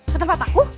ke tempat aku